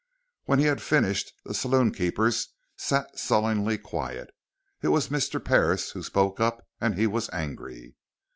When he had finished, the saloonkeepers sat sullenly quiet. It was Mr. Parris who spoke up, and he was angry.